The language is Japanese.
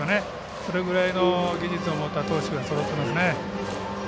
それくらいの技術を持った投手がそろっていますね。